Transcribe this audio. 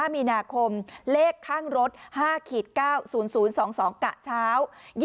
มีนาคมเลขข้างรถ๕๙๐๐๒๒กะเช้า